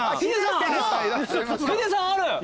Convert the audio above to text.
ヒデさんある！